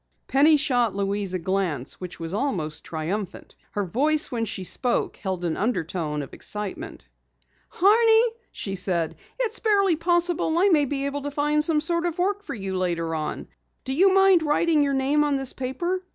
Penny shot Louise a glance which was almost triumphant. Her voice when she spoke held an undertone of excitement. "Horney," she said, "it's barely possible I may be able to find some sort of work for you later on. Do you mind writing your name on this paper?"